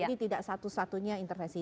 tidak satu satunya intervensi